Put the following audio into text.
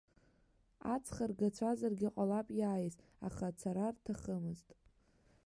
Аҵх ргацәазаргьы ҟалап иааиз, аха ацара рҭахымызт.